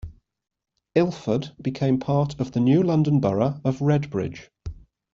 Ilford became part of the new London Borough of Redbridge.